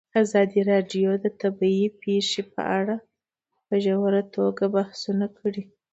ازادي راډیو د طبیعي پېښې په اړه په ژوره توګه بحثونه کړي.